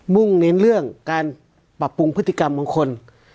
่งเน้นเรื่องการปรับปรุงพฤติกรรมมงคล